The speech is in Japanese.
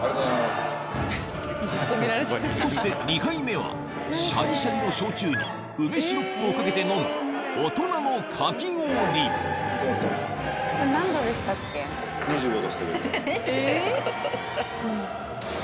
そして２杯目はシャリシャリの焼酎に梅シロップをかけて飲む大人のかき氷２５度。